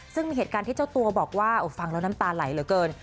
ซึ่งมีเหตุการณ์ที่เจ้าตัวบอกว่าฟังแล้วน้ำตาไหลเหลือเกิน